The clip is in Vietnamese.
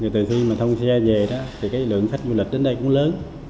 từ khi mà thông xe về đó thì cái lượng khách du lịch đến đây cũng lớn